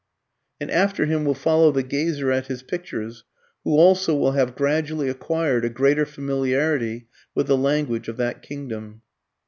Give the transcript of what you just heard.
And after him will follow the gazer at his pictures, who also will have gradually acquired a greater familiarity with the language of that kingdom.